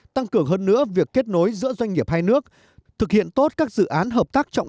tăng cường hơn nữa việc kết nối giữa doanh nghiệp hai nước thực hiện tốt các dự án hợp tác trọng